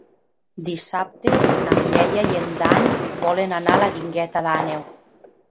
Dissabte na Mireia i en Dan volen anar a la Guingueta d'Àneu.